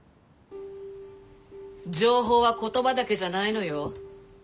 情報は言葉だけじゃないのよ。